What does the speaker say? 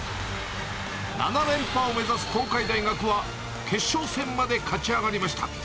７連覇を目指す東海大学は、決勝戦まで勝ち上がりました。